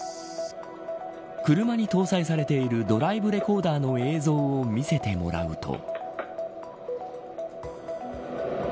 車に搭載されているドライブレコーダーの映像を見せてもらうと。